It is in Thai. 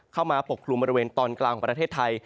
เข้ามาปกครุมบริเวณตอนกลางประเทศไทย